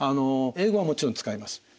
英語はもちろん使います。